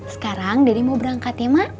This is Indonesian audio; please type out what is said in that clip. sekarang dari mau berangkat ya mak